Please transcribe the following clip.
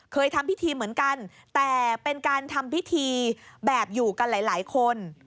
เคยทำพิธีเหมือนกันแต่เป็นการทำพิธีแบบอยู่กันหลายคน